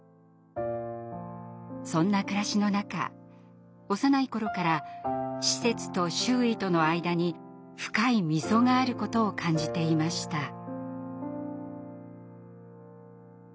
そんな暮らしの中幼い頃から施設と周囲との間に深い溝があることを感じていました。